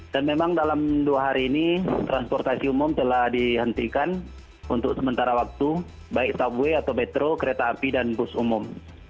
dan memang dalam dua hari ini transportasi umum telah dihentikan untuk sementara waktu baik subway atau metro kereta api dan bus umum